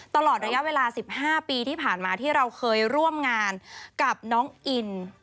ตลอดระยะเวลา๑๕ปีที่ผ่านมาที่เราเคยร่วมงานกับน้องอิน